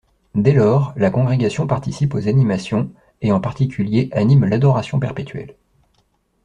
Dès lors, la congrégation participe aux animations et en particulier anime l'adoration perpétuelle.